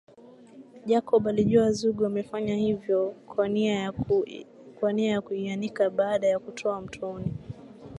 Jacob alijua Zugu amefanya hivyo kwa nia ya kuianika baada ya kutoka mtoni